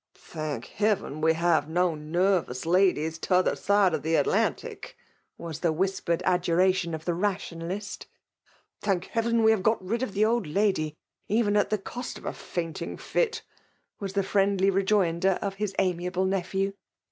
" Thank heaven we have no nervous ladi^ t'other side the Atlantic !"— was the whis«, pered adjuration of tlie Rationalist .*' Thank heaven we have got rid of the.qld. lady, even at the cost of a fainting fit !"— yftifi^ the friendly rejoinder of his amiable n0|fhp^.